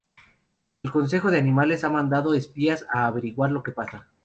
El Consejo de Animales ha mandado espías para averiguar lo que pasa.